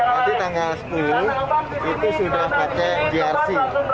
jadi tanggal sepuluh itu sudah pakai grc